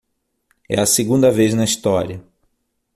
É a segunda vez na história